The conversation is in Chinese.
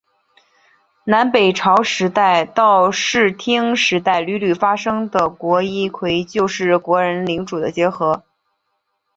南北朝时代到室町时代屡屡发生的国一揆就是国人领主的结合。